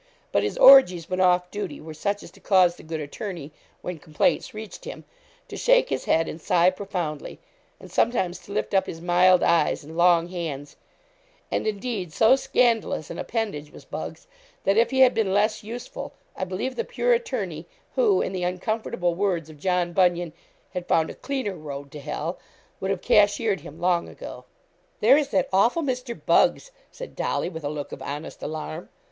But his orgies, when off duty, were such as to cause the good attorney, when complaints reached him, to shake his head, and sigh profoundly, and sometimes to lift up his mild eyes and long hands; and, indeed, so scandalous an appendage was Buggs, that if he had been less useful, I believe the pure attorney, who, in the uncomfortable words of John Bunyan, 'had found a cleaner road to hell,' would have cashiered him long ago. 'There is that awful Mr. Buggs,' said Dolly, with a look of honest alarm.